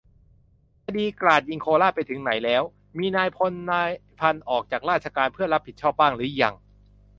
คดี"กราดยิงโคราช"ไปถึงไหนแล้ว ? มีนายพลนายพันออกจากราชการเพื่อรับผิดชอบบ้างหรือยัง ?